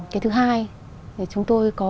cái thứ hai thì chúng tôi có